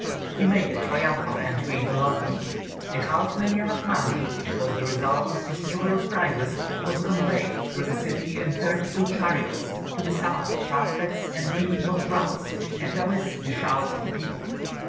He made a triumphal entry into London. The half million of money, which was the result of his numerous prizes, was conveyed through the city in thirty two chariots, to the sound of trumpets and beating of drums and amidst the shouts of the people.